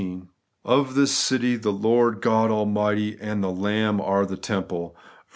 Of this city the Lord God Almighty and the Lamb are the temple (xxi.